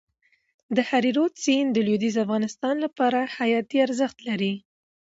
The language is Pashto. د هریرود سیند د لوېدیځ افغانستان لپاره حیاتي ارزښت لري.